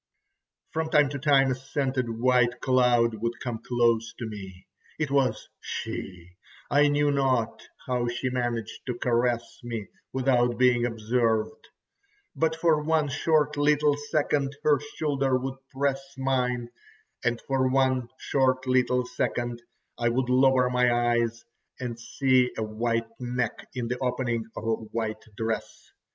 ho!" From time to time a scented white cloud would come close to me. It was she, I knew not how she managed to caress me without being observed, but for one short little second her shoulder would press mine, and for one short little second I would lower my eyes and see a white neck in the opening of a white dress.